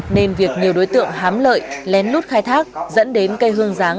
nên việc nhiều đối tượng hám lợi lén lút khai thác dẫn đến cây hương giáng